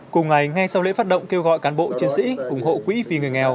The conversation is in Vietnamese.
cùng ngày ngay sau lễ phát động kêu gọi cán bộ chiến sĩ ủng hộ quỹ vì người nghèo